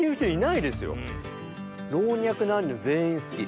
老若男女全員好き。